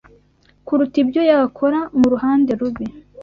kuruta ibyo yakora mu ruhande rubi